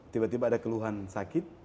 tiba tiba ada keluhan sakit